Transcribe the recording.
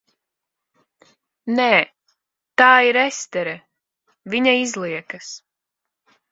Nē. Tā ir Estere, viņa izliekas.